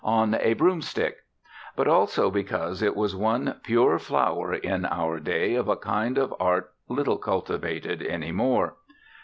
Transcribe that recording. "On a Broomstick"), but also because it was one pure flower in our day of a kind of art little cultivated any more.